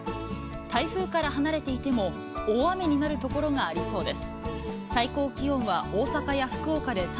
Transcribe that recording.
台風から離れていても、大雨になる所がありそうです。